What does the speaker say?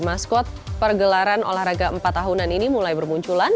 maskot pergelaran olahraga empat tahunan ini mulai bermunculan